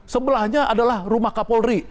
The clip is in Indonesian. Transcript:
sebelahnya adalah rumah kapolri